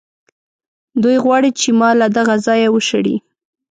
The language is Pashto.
دوی غواړي چې ما له دغه ځایه وشړي.